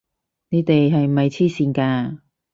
你哋係咪癡線㗎！